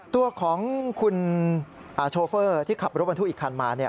ตัวของคุณโชเฟอร์ที่ขับรถบรรทุกอีกคันมา